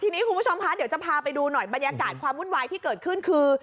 ทีนี้คุณผู้ชมคะเดี๋ยวจะพาไปดูหน่อยบรรยากาศความวุ่นวายที่เกิดขึ้นคือ